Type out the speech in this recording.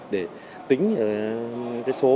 để tính số